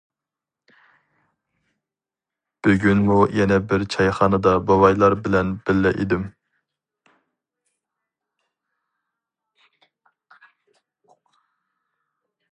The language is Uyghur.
بۈگۈنمۇ يەنە بىر چايخانىدا بوۋايلار بىلەن بىللە ئىدىم.